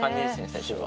最初は。